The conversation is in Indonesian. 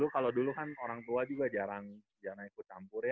kalau dulu kan orang tua juga jarang jarang ikut campur ya